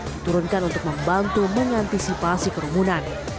diturunkan untuk membantu mengantisipasi kerumunan